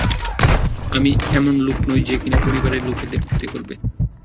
আমি এমন লোক নই যে কিনা পরিবারের লোকেদের ক্ষতি করবে।